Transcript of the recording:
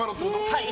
はい。